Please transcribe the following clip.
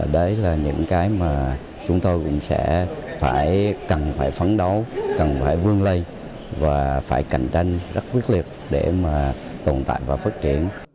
đấy là những cái mà chúng tôi cũng sẽ cần phải phấn đấu cần phải vương lây và phải cạnh tranh rất quyết liệt để mà tồn tại và phát triển